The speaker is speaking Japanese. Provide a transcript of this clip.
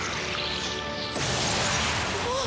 あっ！